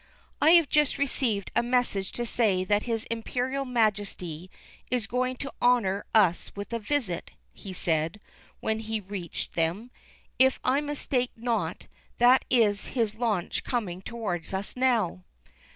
"I have just received a message to say that His Imperial Majesty is going to honor us with a visit," he said, when he reached them. "If I mistake not, that is his launch coming towards us now."